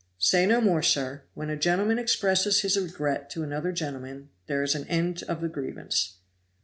"Say no more, sir. When a gentleman expresses his regret to another gentleman, there is an end of the grievance.